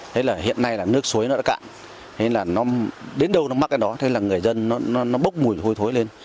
thế là hiện nay là nước suối nó đã cạn đến đâu nó mắc đến đó thế là người dân nó bốc mùi hôi thối lên